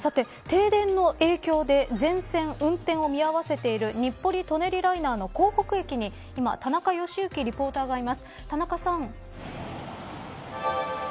停電の影響で全線運転を見合わせている日暮里舎人ライナーの江北駅に田中良幸リポーターがいます田中さん。